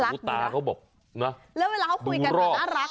หนูตาเค้าบอกดูรอบ